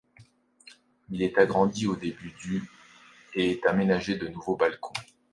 Il est agrandi au début du et est aménagé de nouveaux balcons.